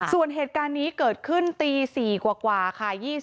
ส่วนเหตุการณ์นี้เกิดขึ้นตี๔กว่าค่ะ